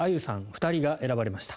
２人が選ばれました。